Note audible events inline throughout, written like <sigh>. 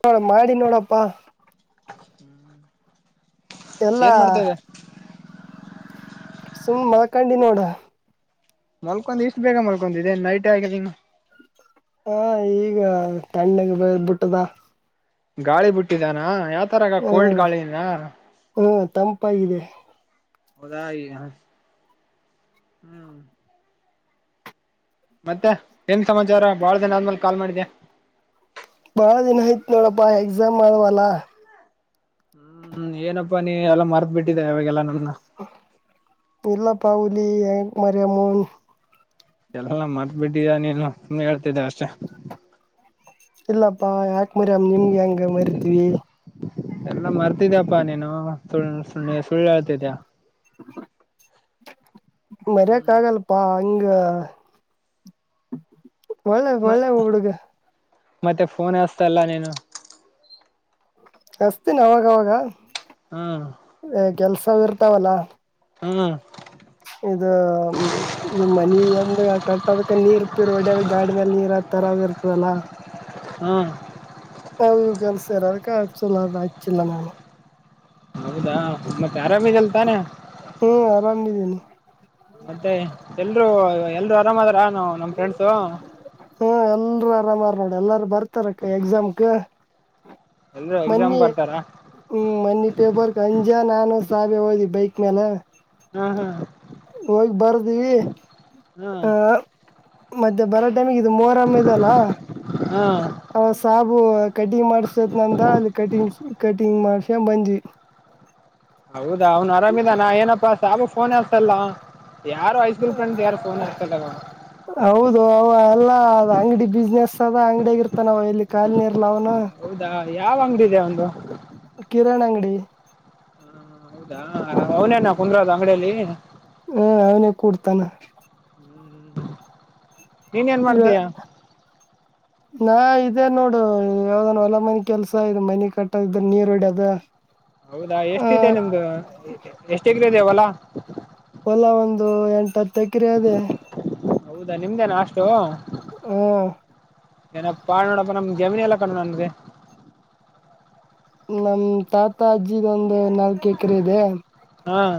ನೋಡ ಮಾಡಿ ನೋಡಪ್ಪಾ ಎಲ್ಲಾ ಏನ್ ಮಾಡ್ತೇವೆ ಸುಮ್ ಮಾನಕೋಂಡ ನೋಡ ಮಲ್ಕೊಂಡ್ ಇಷ್ಟು ಬೇಗ ಮಲ್ಕೊಂಡದ್ದ ನೈಟ್ ಆಗಿ ಇನು ಹಾ ಈಗ ಕಣ್ಣಿಗೆ ಬ ಬಿಟ್ಟದ ಗಾಳಿ ಬಿಟ್ಟಿದ್ದಾನ ಯ ತರಗ ಕೋಲ್ಡ್ ಹ್ಮ್ ಗಾಳಿಿನ ಹ್ಮ್ ತಂಪಾಗಿದೆ ದ ಹ್ಮ್ ಮತ್ತೆ ಏನ್ ಸಮಾಚಾರ ಬಾಳ ಜನ ಆದ್ಮೇಲೆ ಕಾಲ್ ಮಾಡಿದ್ದೆ. ಬಹಳ ದಿನ ಆಯ್ತ್ ನೋಡಪ್ಪಾ ಎಕ್ಸಾಮ್ ಮಾಡವಲ್ಲ. ಹ್ಮ್ ಏನಪ್ಪಾ ನೀ ಎಲ್ಲ ಮರ್ದ ಬಿಿಟ್ಟಿದೆ ಅವವಾಗೆಲ್ಲ ನ. ಎಲ್ಲಾ ಪವು ಅಲ್ಲಿ ಮರೆಯ ಮು. ಎಲ್ಲಲ್ಲ ಮರ್ಬಿಟ್ಟ ನೀನು ಸುನೆ ಹೇಳ್ತಿದ್ದೆ ಅಷ್ಟೆ. ಇಲ್ಲಪ್ಪಾ ಯಾ. ಮರಿಮ್ ನಿಮ್ಗೆ ಹೆಂಗ ಮರಿತಿೀವಿ. ಎಲ್ಲ ಮರ್ತಿದ್ಯಪ್ಪಾ ನೀನು ಸಳ್ ಸುಳ್ಳುಳ್ತಿದ್ಯಾ ಹ. ಮರಕ್ ಹ್ಮ್ ಆಗಲ್ಪಾ. ಹಂಗ ಒಳ್ಳೆ ಮ ಒಳ್ಳೆ ಹ ಹುಡುಗ ಮತ್ತೆ ಫೋನ್ ಹಸ್ತ ಅಲ್ಲ ನೀನು. ಹಸ್ತೀಿನ ಅವಾಗವಾಗ. ಹ್ಮ್ ಹ ಕೆಲಸರ್ ಹತ್ತಾವಲ್ಲಾ. ಹ್ಮ್. ಇದು ಇದು ಮನ ಅಂದ ಕಟ್ಟದಕ್ಕೆ ನೀರ್ ಹೊಡದ ಗಾಡಿ ಮೇಲೆ ನೀರ್ ತರದ ಇರ್ತದಲ್ಲ. ಹ್ಮ್. ಅವವು ಕೆಲಸರ ಅದಕ್ಕೆಸುಲ್ಲ ಆಯಚಿಲ್ಲ ನಾನು ಹೌದಾ. ಗಾರ ಬ ಚಲ್ತ ನ. ಹ್ಮ್ ಆರಾಮಿದೀನಿ ಮತ್ತೆ ಎಲ್ರುೂ ಎಲ್ರು ಆರಾಮದ್ರ ಹ್ಮ ಎುವ ಆರಾಮ ನೋಡ ಎಲ್ಲಾರು ಬರ್ತಾರಕ್ಕ ಎಕ್ಸಾಮ್ಗೆ ಎಲ್ರೂ ಮ ಬರ್ತಾರ ಹ್ಮ್ ಮಿ ಪೇಪರ್ ಕಂಜಾಾನಾನ ಸಬಿ ಹೋದಿ ಬೈಕ್ ಮೇಲೆ ಹ್ಮ್ ಹ್ಮ್ ಹೋಗಿ ಬರ್ದೀವಿ ಹ್ಮ್ ಆ ಮಧ್ಯೆ ಬರತ್ ಇದು ಮೋರಮ್ಮದಲ್ಲ ಹ್ಮ್ ಅವಾಗ ಸಾಬು ಕಟಿಂಗ್ ಮಾಡಸತೇತ್ ನಂದ ಅಲ್ಲಿ ಕಟಿಂಗ್ ಕಟಿಂಗ್ ಮಾಡ್ಸ್ಯ ಬಂದ್ವಿ ಹೌದಾ ಅವನ್ ಆರಾಮಿದಾನ ಏನಪ್ಪಾ ಸಾಾಗು ಫೋನ್ ಹಸಲ್ಲ ಹೌದು ಅವ ಎಲ್ಲಾ ಅದ್ ಅಂಗಡಿ ಬಿಸ್ನೆಸ್ ಅದ ಅಂಗಡಿಯ ಆಗ ಇರ್ತ ನಾವ್ ಇಲ್ಲಿ ಕಾಲು ನೀರ್ಲ ಅವನು ಹೌದಾ ಯಾವ ಅಂಗಡಿದೆ ಒಂದು ಕಿರಣ ಅಂಗಡಿ ಹೌದಾ ಅವನೇನಾ ಕುಂದ್ರೋದು ಅಂಗಡಿಯಲ್ಲಿ ಹ್ಮ ಅವನೇ ಕೊಡ್ತಾನ ಅ <inaudible> ನೀನ್ ಏನ್ ಇವ ಮಾಡ್ತೀಯ ನಾ ಇದೇ ನೋಡು ಯಾವ್ದನ್ ಹೊಲ ಮನೆ ಕೆಲ್ಸ ಇದು ಮನೆ ಕಟ್ಟದ ಇದ್ರ ನೀರ್ ಹೊಡ್ಯದ ಹೌದಾ ಆ ಎಷ್ಟಿದೆ ನಿಮ್ದು ಎಷ್ಟ ವಲ ಹೊಲ ಒಂದು ಎಂಟತ್ತು ಹತ್ತಕ್ಕ್ರ ಅದೇ ನಿಮ್ದೇನ ಅಷ್ಟು ಹ್ಮ ಏನಪ್ಪ ಪಾ ನೋಡಪ್ಪ ನಮ್ ಜಮನಿ ಎಲ್ಲ ಕಣು ನನ್ಗೆ ನಮ ತಾತ ಅಜ್ಜಿಗೊಂದು ನಾವು ಕೇೇಕ್ರೆ ಇದೆ ಹ್ಮ್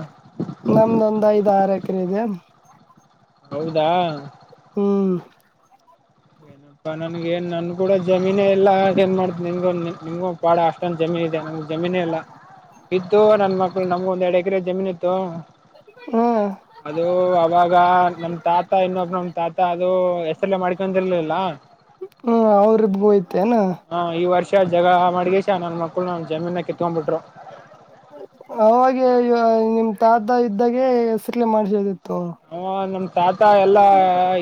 ನಮ್ದೊಂದ್ ಐದ್ ಆರು ಎಕರೆ ಇದೆ ಹೌದಾ ಹ್ಮ್ ಇನಪ್ಪಾ ನನಗ ಏನು ನನ್ನ ಕೂಡ ಜಮೀನೇ ಇಲ್ಲ ಏನ್ ಮಾಡ್ತ ನಿಮಗು ನಿಮಗೂ ಪಾಡ ಅಷ್ಟೊಂದು ಜಮೀನ ಇದೆ ನಮಗೆ ಜಮೀನೇ ಇಲ್ಲ ಇತ್ತು ನನ್ನ ಮಕ್ಳು ನಮಗೂ ಒಂದೆರಡು ಎಕರೆ ಜಮೀನುಿತ್ತು ಹ್ಮ ಅದು ಅವಾಗ ನಮ್ ತಾತ ಇನ್ನೊಬ ನಮ ತಾತ ಅ ಅದು ಎಸ ಎಲ್ಲ ಮಾಡ್ಕೊಿರ್ಲಿಲ್ಲ ಹ್ಮ್ ಅವ್ರಬ್ ಹೋಯ್ತೆನಾ ಹ ಈ ವರ್ಷ ಜಗ ಮಾಡಗೇಶ ನನ್ನ ಮಕ್ಕಳು ನ ಜಮೀನ ಕಿತ್ಕೊಂಡ್ಬಿಟ್ರು ಅವಾಗ ನಿಮ ತಾತ ಇದ್ದಾಗೆಸಕ್ಲೆ ಮಾಡ್ಸದಿತ್ತು ಹ ನ ತಾತ ಎಲ್ಲಾ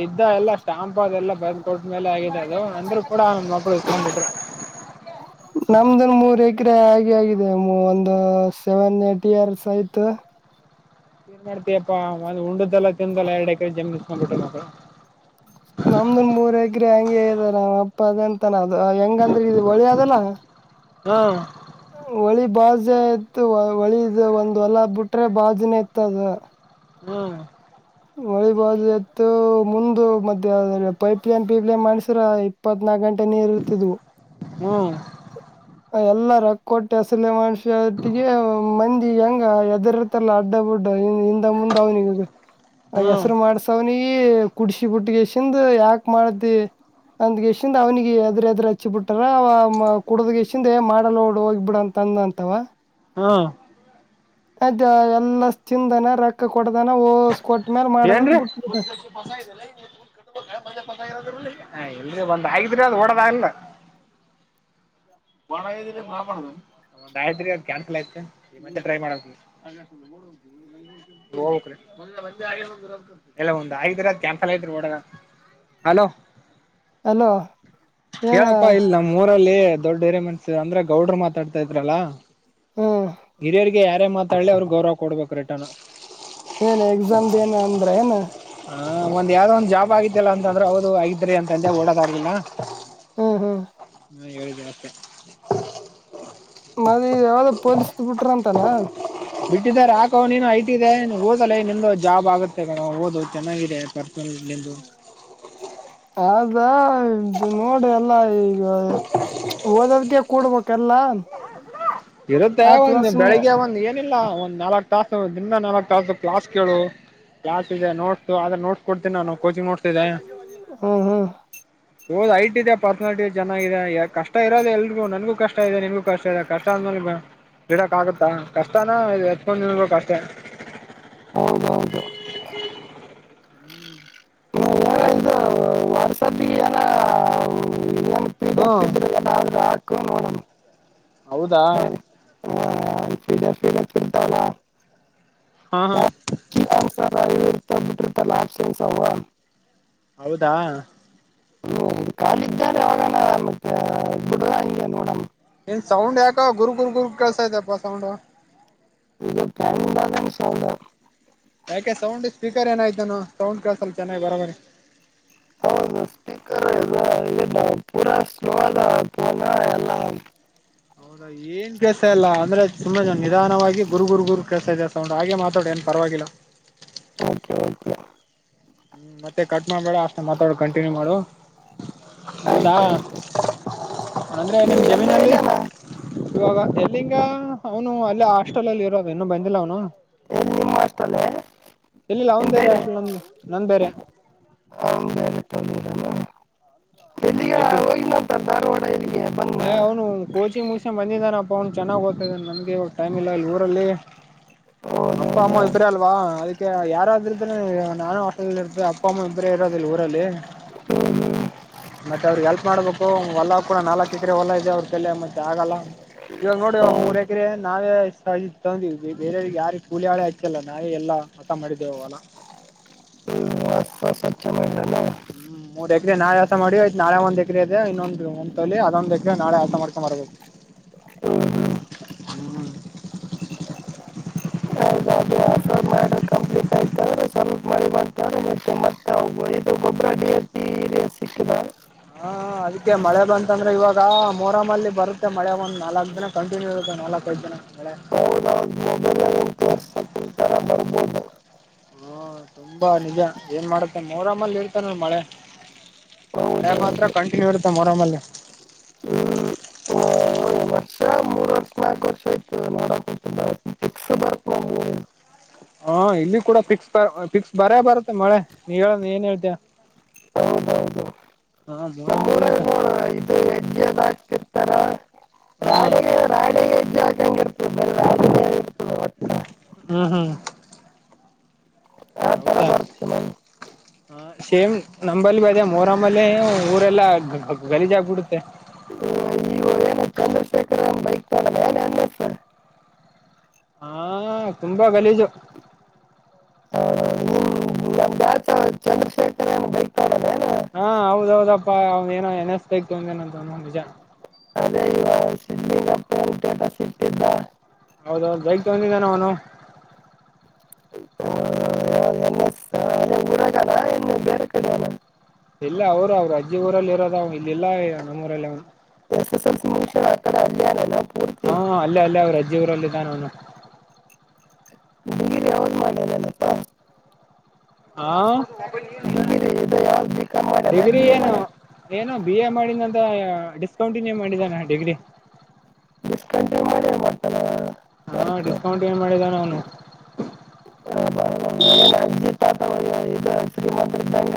ಇದ್ದ ಎಲ್ಲಾ ಸ್ಟಾಂಪ್ ಅದೆಲ್ಲಾ ಬರೆದ್ ಕೊಟ್ಟ್ಮೇಲೆ ಆಗಿದೆ ಅದು ಅಂದ್ರು ಕೂಡ ನನ್ ಮಕ್ಳು ಇಸ್ಕೊಂಡ್ಬಿಟ್ರು ನಮ್ದನ್ ಮೂರ್ ಎಕರೆ ಆಗಿ ಆಗ ಇ ಒಂದು ಸೆವೆನ್ ಏಟ್ ಇಯರ್ಸ್ ಆಯ್ತ ಏನ್ ಮಾಡ್ತಯಪ್ಪಾ ಒಂದ್ ಉಂಡ್ದುೆಲ್ಲ ತಿಿಂದಲ್ಲ ಎರಡು ಎಕರೆ ಜಮನಿಸ್ ಮಾಡ್ಬಿಟ್ಟೆ ಮಳು ಪದಂತನ ಹೆಂಗಂದ್ರೆ ಇ ಒಳಿ ಅದಲ್ಲ ಹ್ಮ್ ಹೊಳಿ ಬಾಜೆ ಇತ್ತು ಹೊಳಿದ ಒಂದ್ ಹೊಲ ಬಿಟ್ರೆ ಬಾಜಿನ ಇತ್ತದ ಹ್ಮ್ ಹೊಳಿಬೋದು ಎತ್ತು ಮುಂದು ಮ ಪೈಪ್ಲೈನ್ ಪೀಪ್ ಲೈನ್ ಮಾಡ್ಸ್ರ ಇಪ್ಪತ್ನಾಕ ಗಂಟೆ ನೇ ಇರುತ್ತಿದ್ದು ಹ್ಮ್ ಎಲ್ಲ ರಕ್ಕ ಕೊಟ್ಟಿ ಅಸಲ ಮನುಷ್ಯೊಟ್ಟಿಗೆ ಮಂದಿ ಹೆಂಗ ಹೆದರ್ರ್ತಲ್ಲ ಅಡ್ಡ ಬುಡ್ಡ ಮುಂದ ಅವನಿಿಗೆ ಆ ಹ್ಮ್ ಹೆಸರು ಮಾಡ್ಸ ಅವನಿಿಗೆ ಕುಡಡ್ಸಿ, ಬಿುಟ್ಟಿಗೆ ಎಸಿಂದ ಯಾಕು, ಮಾಡತಿ ಅಂದ್ಗೆ, ಎಷ್ಟಿಂದ ಅವ್ನಿಗೆ ಎದ್ರ ಎದ್ರರು ಹಚ್ಚಿ ಬಿಟ್ಟಾರ, ಅವ ಕುಡದಗೆ. <inaudible> ಅಂದ್ರೆ, ಮಾಡಲೋಡು, ಹೋಗಿ, ಬಿಡು, ಅಂತ ಅಂದ, ಅಂತವ. <inaudible> ಹ್ಮ... <inaudible> ಅದು, ಎಲ್ಲ ತಿದಾನ ರೊಕ್ಕ ಕೊಡ್ದಾನ, ಓಸ್ ಕೊಟ್ಟ. <inaudible> ಅಂತ ಏನ್ರೀ, ಬಿಟ್ಬಿಟ್ಟ ಸ್ಕೂಲ್, ಬಸ, ಅದೇ, ಅಲ್ಲ, ಕಾಟುಬೇಕ? <inaudible> ಎಲ್, ಬಂದ್ ಹಾಗಗಿದ್ರಿ ಅದು ಓಡದಾಗಲ್ಲ. <unintelligible> ನ್ಲ್ಯತ್, ಒಗೋ. <unintelligible> ಅಲೋ ಏನ ಕೇಳಪ್ಪ ಇಲ್ಲಿ ನಮ್ಮೂರಲ್ಲಿ. <inaudible> ದೊಡ್ಡ, ಮನಸು, ಅಂದರೆ, ಗೌಡರು ಮಾತಡ್ತಾ ಇದ್ರಲ್ಲಾ!. ಹ್ಮ್ <unintelligible> ಗಿರಿಯಳ ಯಾರೇ ಮಾತಾಲಿ ಅವ್ ಗೌವ ಕೊಡ್ಬೇಕು ರಿಟಾನ ಏನ್, ಎಕ್ಸಾಮ್ದ, ಏನು, ಅಂದ್ರ ಏನೂ. <inaudible> ಹಾ, ಒಂದು, ಯಾವ್ದೋ, ಒಂದ ಜಾಬ್ ಆಗಿತಿಲ್ಲ ಅಂದ್ರೆ ಹೌದು ಆಗಿದ್ರಿ ಅಂದೆ ಓಡದ ಆಲಿಲ್ಲಾ. <inaudible> ಹ್ಮ್, ಹ್ಮ್. <inaudible> <unintelligible> <inaudible> <unintelligible> <inaudible> ಮೊನ್ನೆ, ಯಾವ್ದ ಪೋಲಿಸ ಬಿಟ್ರ ಅಂತ. <inaudible> ತಾನ.. <inaudible> ಬಿಟ್ಟಿದ್ದಾರೆ, ಹಾಕೋನೆ ಹೈಟಿಗೆ, ಹೋದಲೈ, ನಿಮ್ದು ಜಾಬ್ ಆಗುತ್ತೆ ಓದದು ಚೆನ್ನಾಗಿದೆ, ಪರ್ಸು. <inaudible> ಎಲ್ಲಿ ನಿಂದು.. <unintelligible> ಹೌದ, ಇದು ನೋಡು,, ಎಲ್ಲಾ ಓದೋದಿಕ್ಕೆ ಕೊಡಬೇಕಾ ಎಲ್ಲ. <unintelligible> ಇರುತ್ತೆ, ಆತದ ಒಂದು, ಸುಮ್ನೆ ಬೆಳಿಗ್ಗೆ ಒಂದ್ ಏನಿಲ್ಲ! ಒಂದ್ ನಾಲ್ಕ್. <unintelligible> ಕ್ಲಾಸು, ತಕೋ, ದಿನ ನಾಲ್ಕಕ್, ತಾಸು ಕ್ಲಾಸ್ ಕೇಳ ಕ್ಲಾಸ್, ಇದೆ ನೋಟ್ಸ ಅ ಆದ್ರ ನೋಟ್ಸ್ ಕೊಡ್ತೀನೀ ನಾನು ಕೋಚಿಂಗ್, ನೋಟ್ಸ್. <unintelligible> ಹ್ಮ, ಹಾ. ಹಾ. <unintelligible> ಹೋದ್, ಐಟ್, ಇದೆ ಪರ್ಸನಾಲಟಿ, ಚೆನ್ನಾಗಿ, ಇದೆ ಯ, ಕಷ್ಟ ಇರೋದೆ ಎಲ್ರಿಗೂ ನನ್ಗೂ, ಕಷ್ಟ ಇದೆ ನಿನ್ಗೂ ಕಷ್ಟ ಇದೆ ಕಷ್ಟ. <inaudible> ಕಷ್ಟ, ಅಂದ ಬಿಡಕ್, ಆಗುತ್ತಾ ಕಷ್ಟಾನ, ಎತ್ತಿಕೊಂಡು ಇರಬೇಕು ಅಷ್ಟೇ? <inaudible> ಹೌದೌದು.. <unintelligible> ಮಾಡಕ್ಕ. <unintelligible> ಹೊಸ ದೀನಾ, ನಾ. <unintelligible> ಹಾ.. <inaudible> ಹಾ. <inaudible> ಹ, ಸೀಡ, ಸೀಡ, ಚಿತ್ತಾಲ. <unintelligible> ಹಾ, ಹಾ. <unintelligible> ಏನು, ಸಮಾಚಾರ. <unintelligible> ಹೌದಾ. <inaudible> ಹ್ಮ, ಕಾಲ ಇದ್ದ್ರೆ, ಯಾವಾಗಾನ ಮತ್ತ, ಬಡ, ಹ ನೋಡ. <unintelligible> ಸೌಂಡ್, ಯಾಕೋ, ಗುರು, ಗುರು, ಗುರು, ಕೇಳಿಸ್ತಾ ಇತ್ತಪ್ಪ, ಸೌಂಡ್. <inaudible> ಇದು, ತಾಲಿಭಾನು, ಹಾಂಗೆ, ಸೌಂಡ್. <inaudible> ಯಾಕೆ ಸೌಂಡ್ ಸ್ಪೀಕರ್ ಏನಾಯ್ತುಾನ ಸೌಂಡ್ ಕಲಸ್ ಚೆನ್ನಾಗಿ್ ಬರ ಮರಿ <inaudible> ಹೌದು ಸ್ಪೀಕರ್ ಇ ಪೂರಾ ಸಲೋ ೋನ ಎಲ್ಲ <unintelligible> ಹೌದಾ ಏನ್ ಕೆೇಸ ಇಲ್ಲ ಅಂದ್ರೆ ತುಂಬಾ ನಿಧಾನವಾಗಿ ಗುರು ಗುರು ಗುರು ಕೆಲ್ಸಾ ಇದ ಸೌಂಡ್ ಹಾಗೆ ಮಾತಾಡು ಏನ್ ಪರವಾಗಿಲ್ಲ <unintelligible> ಕೆ ಕೆ ಹ್ಮ್ ಮತ್ತೆ ಕಟ್ ಮಾಡ್ಬೇಡ ಅಷ್ಟೆ ಮಾತಾಡ ಕಂಟಿನ್ಯೂ ಮಾಡು ಹೌದಾ ಆಯ್ತು ಆಯ್ತು ಅಂದ್ರೆ ನಿಮ್ಮ ನೀವು ಎಲ್ಲೂ ಜಮೀನಲ್ಲಿ ಇಲ್ಲನ ಇವಾಗ ಎಲ್ಲಿಂಗ ಅವನು ಅಲ್ಲೇ ಹಾಸ್ಟೆಲ್ ಅಲ್ಲಿ ಇರೋದು ಇನ್ನುೂ ಬಂದಿಲ್ಲ ಅವನು ಎಲ್ಲಿ ನಿಮ್ಮ ಅಷ್ಟಲ್ಲೇ ಇಲ್ಲಿಿಲ್ಲ ಅವ್ನ್ ಬೇರೆ ಅಷ್ಟು ನಂದ ನಂದ ಬೇರೆ <inaudible> ಹ, ಬೇರೈಪಾಣಿ. <unintelligible> ಹ್ಮ, ಇಬ್ಬರು, ಹೋಗಿಲ್ಲ ಅಂತ ಧಾರವಾಡ ಇಲ್ಲಿಗೆ ಬಂದ ಹೇ, ಅವನು, ಕೋಚಿಂಗ್, ಮಗ್ಗಿಸಿಕೊಂಡು, ಬಂದಿದ್ದಾನೆ. <inaudible> ಫೊಂಡ ಚೆನ್ನಾಗಿ ಓ್ತಿದೆ ನಮ್ಗೆ ಇವಾಗ ಟೈಮ್ ಇಲ್ಲ ಇಲ್ಲಿ ಊರಲ್ಲಿ <unintelligible> ಅಪ್ಪ ಅಮ್ಮ ಇಬರೇ ಅಲ್ವಾ ಅದಕ್ಕೆ ಯಾರಾದರು್ದ್ರೆ ನಾನು ಹೋಟೆಲ್ಲ್ಲಿ ಇರ್ತೆ ಅಪ್ಪ ಅಮ್ಮ ಇಬರೇ ಇರೋದಿಲ್ಲ ಊರಲ್ಲಿ ಮತ್ತೆ ಅವ್ರಿಗೆ ಎಲ್ಪ್ ಮಾಡ್ಬೇಕು ಹೊಲ ಕೂಡ ನಾಲ್ಕಕ್ ಎಕರೆ ಹೊಲ್ಲ ಇದೆ ಅವ್ರ ತಲೆ ಮತ್ತೆ ಆಗಲ್ಲ ಇವಾಗ ನೋಡಿ ಮೂರ್ ಎಕರೆ ನಾವೇ ತಗಂದಿವ್ ಬೇರವ್ರಿಗೆ ಯಾರಿಿಗೆ ಕೂಲಿ ಹಳೆ ಆಚ್ಚಲ್ಲ ನಾವೇ ಎಲ್ಲಾ <unintelligible> ಹೊಲ ಹ್ಮಪಚ್ಚ ಮ ಹ್ಮ್ ಮೂರ್ ಎಕ್ರ ನಾಳೆಸ ಮಾಡಿ ಆಯ್ತ್ ನಾಳೆ ಒಂದ ಎಕ್ರೆ ಇದೆ ಇನ್ನೊಂದು್ ಲಿ ಅದೊಂದು್ೇಕ ನಾೆ ಆರ್ತ ಮಾಡ್ಕೊಂಡ ಬರ್ಬೇಕು <unintelligible> ಹ್ಮ ಹ್ಮ್ ಹ್ಮ್ ಅ ಅ ಕಂಪ್ಲೀಟ್ ಆಯ್ತ ಮಾಡಿ ಬತೆ ಮತ್ತೆ ಸಿಕ್ಕಿದ <unintelligible> ಹಾ ಅದಕ್ಕೆ ಮಳೆ ಬಂತಂದ್ರೆ ಇವಾಗ ಮೊರಾಮಲ್ಲಿ ಬರುತ್ತೆ ಮಳೆ ಒಂದ್ ನಾಲ್ಕ್ ದಿನ ಕಂಟಿನ್ಯೂ ಇರುತ್ತೆ ನಾಲ್ಕ ಐದು ದಿನ ಮಳ ಹೌದು ರ ಬರ್ಬೋದು <unintelligible> ಹ್ಮ ತುಂಬಾ ನಿಜ ಏನ್ ಮಾಡತ್ತೆ ನೋರಮ್ಮಲ್ಲಿ ಇರ್ತಾನ ಮಳೆ <inaudible> ಮಯೆ ಮಾತ್ರ ಕಂಠ ತ್ತ ಮರಮಲ್ಲಿ ಅ ಇಲಗಷ <unintelligible> ಬ <unintelligible> ಹಾ ಇಲ್ಲಿ ಕೂಡ ಫಿಕ್ಸ್ ಬ ಫಿಕ್ಸ್ ಬರ ಬರತ್ತೆ ಮಳೆ ನೀ ಹೇಳ ಏನ್ ಹೇಳ್ತೀಯ <unintelligible> ಹೌದೌದು ನಮ್ಮ ಮೂರಮ್ಮಲ್ಲಿ ಹಾ ಊರಲ್ಲಿ ಇದು ಹೆಜ್ಜೆದತ ರಾಗಿ ರಾಗಿ ಕಂಗ ಹ್ಮ್ ಹ್ಮ್ ಆ ತರ ಹೌದಾ ಬರುತ್ತೆ ಮ್ಯಾಮ್ ಹ ಸೇಮ್ ನಂಬಲ್ಲಿ ಬಿ ಅದೇ ಮೋರಮ್ಮಲೆ ಊರೆಲ್ಲ ಗಲೀಜ ಆಗ್ಬಿಡುತ್ತೆ ಈಗ ಏನು <unintelligible> ಚಂದ್ರಶೇಖರ್ ಬೈಕ್ ತಗೊಂಡಲ್ಲ ಏನು ಎನ್ ಎಸ್ ಹಾ ತುಂಬಾ ಗಲೀಜು ನಿಮ್ ನಮ್ ಬ್ಯಾಚ್ ಚಂದ್ರಶೇಖರ್ ಏನು ಬೈಕ್ ತಗೊಂಡಲ್ಲ ಏನು ಹಾ ಹೌದೌದಪ್ಪಾ ಅವನ ಏನೋ ಎನಸ್ತಾ ಇತ ಒಂದೇನಂತ ಒಂದ್ ನಿಜ ಅದೇ ಇವ ಸಿದ್ಲಿಂಗಪ್ಪ ಏನು ಸ್ಟೇಟಸ್ ಇಟ್ಟಿದ್ದ ಹೌದೌ ಬೈಗ್ ತಗಂದಿದ್ದಾನ ಅವನು ಎನ್ ಎಸ್ ಅದೇ ಊರಾಗಲ್ಲ ಇನ್ನು ಬೇರೆ ಕಡೆ ಅಲ್ಲ ಇಲ್ಲ ಅವರು ಅವ್ರು ಅಜ್ಜಿ ಊರಲ್ಲಿ ಇರೋದ ಅವ ಇಲ್ಲಿಲ್ಲ ನಮ್ಮೂಊರಲ್ಲಿ ಅವನು ಎಸ್ ಎಸ್ ಎಲ್ ಸಿ ಮುಗಿಸ್ಯಾಳ ಆ ಕಡೆ ಅಲ್ಲೇ ಅಲ್ಲ ಪೂರ್ತಿ ಹಾ ಅಲ್ಲೇ ಅಲ್ಲೇ ಅವ್ರು ಅಜ್ಜಿ ರಲ್ಲಿದ್ದಾನ ಅವನು ಡಿಗ್ರಿ ಯಾವ್ದು ಮಾಡ್ಯಾನಪ್ಪ ಹಾ ಡಿಗ್ರಿ ಇದು ಯಾವ್ದು ಬಿ ಕಾಮ್ ಮಾಡ್ಯಾನ ಡಿಗ್ರಿ ಬಿ ಎ ಏನು ಮಾಡ್ಯಾನ ಏನು ಬಿ ಎ ಮಾಡಿದಂತ ಡಿಸ್ಕೌಂಟಿನ್ಯೂ ಮಾಡಿದಾನ ಡಿಗ್ರಿ ಡಿಸ್ಕಂಟಿನ್ಯೂ ಮಾಡ್ಯಾನ ಮಾಡ್ತಾನ ಹಾ ವರ್ಕ್ ಡಿಸ್ಕೌಂಟ್ ಏನ್ ಮಾಡಿದ ಅವನು ಏನ ಅಜ್ಜಿ ತಾತ ಇದು ಶ್ರೀಮಂತರ ಇದ್ದಂಗ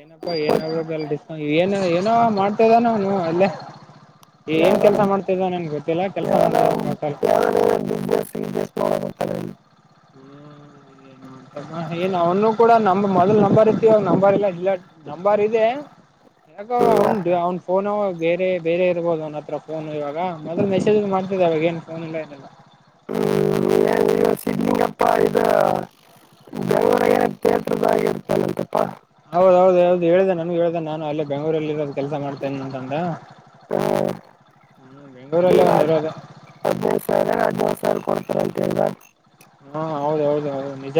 ಏನಪ್ಪಾ ಏನಾಗದಲ್ಡಿಸ್ ಏನ ಏನೋ ಮಾಡ್ತದಾನ ಅಲ್ಲೇ ಏನ್ ಯಾವ್ದಾರ ಕೆಲ್ಸ ಮಾಡ್ತಿದ ನನ್ಗೆ ಗೊತ್ತಿಲ್ಲ ಕೆಲ್ಸ ಯಾವ್ದಾರ ಮಾಡ್ತಾದಟಲ್ ಯಾವ್ದಾರ ಬಿಸ್ನೆಸ್ ಗಿಸ್ನೆಸ್ ಮಾಡಕತ್ತಾರ ಹ್ಮ್ ಏನ್ಂತ ಏನ್ ಅವನು ಕೂಡ ನ ಮೊದ್ಲ್ ನಂಬರ್ ಇರ್ತಿವ ಅವ ನಂಬರ್ ಇಲ್ಲ ಇಲ್ಲ ನಂಬರ್ ಇದೆ ಯಾಕ ಅವನ್ ಅವ್ನ್ ಫೋನು ಬೇರೆ ಬೇರೆ ಇರ್ಬೋದು ಅವನತ್ರ ಫೋನು ಇವಾಗ ಮೊದಲ್ ಮೆಸೇಜ್ ಮಾಡ್ತಿದ್ದ ಅವಾಗ ಏನ್ ಫೋನ್ ಇಲ್ಲ ಏನೆಲ್ಲ ಏನ್ ಇವ ಸಿದ್ಲಿಂಗಪ್ಪ ಇದು ಬೆಂಗಳೂರಾಗ ಏನ ಥಿಯೇಟರ್ದಾಗ ಇರ್ತಾನಂತಪ್ಪ ಹೌದೌದು ಹೌ್ದದು ಹೇಳ್ದ ನನಗೆ ಹೇಳ್ದನೆ ನಾನು ಅಲ್ಲೇ ಬೆಂಗಗಳೂರಲ್ಲಿ ಇರೋದು ಕೆಲಸ ಮಾಡ್ತೇನೆ ಅಂತಂದ ಹ್ಮ ಬೆಂಗಗಳೂರಲ್ಲೇ ಈಗ ಅವನು ಇರೋದು ಹದಿನೈದು ಸಾವಿರ ಹದಿನೈದು <unintelligible> ಹ್ಮ ಹೌದ ಹೌದು ಹೌದು ನಿಜ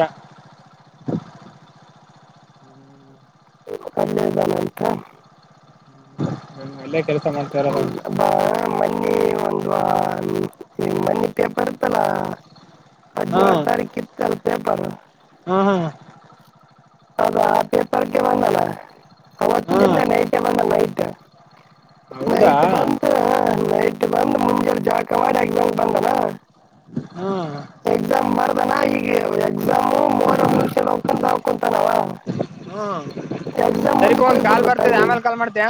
ಅಲ್ಲೇ ಇದಾನಂತ ಎಲ್ಲೇ ಕೆಲಸ ಮಾಡ್ತಾರ ಹ್ಮ್. ನನ್ ಬಾ ಮೊನ್ನೆ ಒಂದು ಈ ಮೊನ್ನೆ ಪೇಪರ್ ಇತ್ತಲ್ಲ ಹದಿನೇಳು ಹ್ಮ್ ತಾರೀಕಿತ್ತಲ್ಲ ಪೇಪರ್ ಹ್ಮ್ ಹ್ಮ್ ಅದು ಆ ಪೇಪರ್ಗೆ ಬಂದಲ್ಲ ಅವತ್ತಿನ ಹ್ಮ್ ದಿನ ನೈಟೇ ಬಂದ ನೈಟ್ ಹೌದಾ ನೈಟ್ ಬಂದು ನೈಟ್ ಬಂದು ಮುಂಜಾನೆ ಜಳಕ ಮಾಡಿ ಎಕ್ಸಾಮ್ ಬಂದನ ಹ್ಮ್ ಎಕ್ಸಾಮ್ ಬರ್ದನ ಈಗ ಎಕ್ಸಾಮು ಮೋರ ಮುಗಿಸ್ಕೊಂಡು ಹೋಗ್ಕೊಂತ ಹೋಗ್ಕೊಂತಾನವ ಹ್ಮ ಎಕ್ಸಾಮ್ ಸರಿಪ ಮುಂದಕ್ಕೆ ಒಂದ ಕಾಲ್ ಹೋಗ್ಬಿಡ್ದು ಬರ್ತದೆ ಆಮೇಲೆ ಕಾಲ್ ಟೈಮಿಂಗ್ ಮಾಡ್ತೇಯ